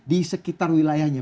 di sekitar wilayahnya